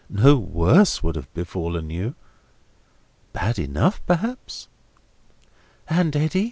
No worse would have befallen you. Bad enough perhaps!" "And Eddy?"